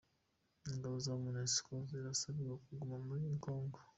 Ingabo za Monesiko zirasabirwa kuguma muri kongo